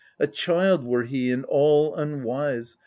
A child were he and all unwise.